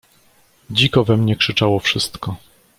"Dziko we mnie krzyczało wszystko."